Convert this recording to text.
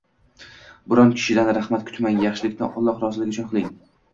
Biron kishidan rahmat kutmang, yaxshilikni Alloh roziligi uchun qiling.